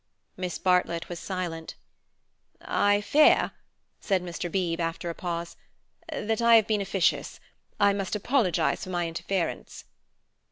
Miss Bartlett was silent. "I fear," said Mr. Beebe, after a pause, "that I have been officious. I must apologize for my interference."